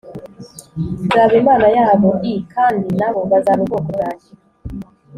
Nzaba Imana yabo i kandi na bo bazaba ubwoko bwanjye